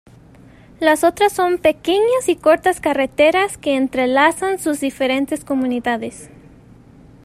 Las otras son pequeñas y cortas carreteras que entrelazan a sus diferentes comunidades.